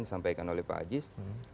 disampaikan oleh pak ajis